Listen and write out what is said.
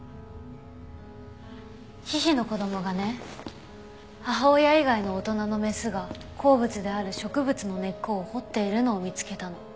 ヒヒの子供がね母親以外の大人のメスが好物である植物の根っこを掘っているのを見つけたの。